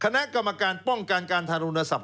นักกรรมการป้องกันการธรรมนศัพท์